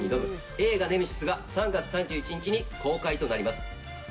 『映画ネメシス』が３月３１日に公開となります。